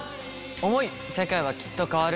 「想い世界は、きっと変わる。」。